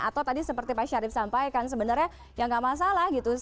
atau tadi seperti pak syarif sampaikan sebenarnya ya nggak masalah gitu